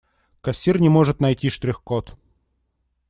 Кассир не может найти штрих-код.